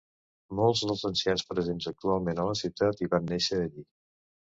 Molts dels ancians presents actualment a la ciutat hi van néixer allí.